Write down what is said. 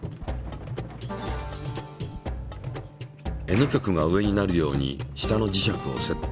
Ｎ極が上になるように下の磁石をセット。